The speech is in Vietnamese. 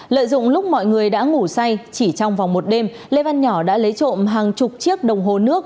lợi dụng lúc mọi người đã ngủ say chỉ trong vòng một đêm lê văn nhỏ đã lấy trộm hàng chục chiếc đồng hồ nước